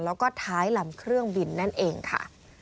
แล้วก็ท้ายลำเครื่องบินนั่นเองค่ะ